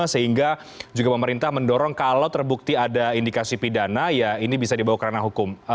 sehingga juga pemerintah mendorong kalau terbukti ada indikasi pidana ya ini bisa dibawa kerana hukum